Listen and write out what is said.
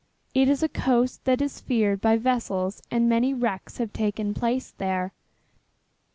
It is a coast that is feared by vessels and many wrecks have taken place there.